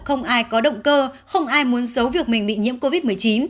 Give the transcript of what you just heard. không ai có động cơ không ai muốn giấu việc mình bị nhiễm covid một mươi chín